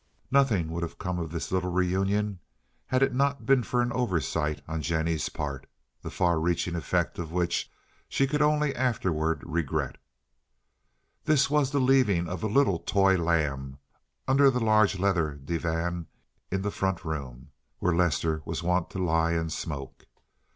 Nothing would have come of this little reunion had it not been for an oversight on Jennie's part, the far reaching effects of which she could only afterward regret. This was the leaving of a little toy lamb under the large leather divan in the front room, where Lester was wont to lie and smoke.